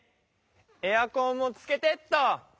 エアコンもつけてっと。